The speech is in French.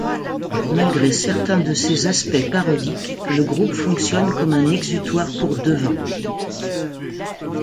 Malgré certains de ses aspects parodiques, le groupe fonctionne comme un exutoire pour Devin.